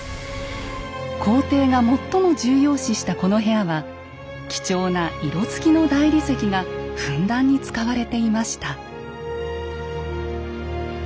皇帝が最も重要視したこの部屋は貴重な色つきの大理石がふんだんに使われていました。